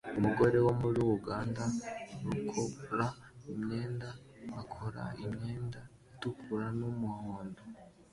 Umugore wo mu ruganda rukora imyenda akora imyenda itukura n'umuhondo